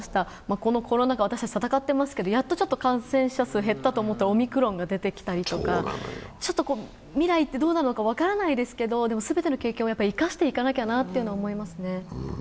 このコロナ禍、私たち戦っていますけれども、やっと感染者数が減ったと思ったら、オミクロンが出てきたりとかちょっと未来ってどうなるのか分からないですけど全ての経験を生かしていかなきゃなって思いますね。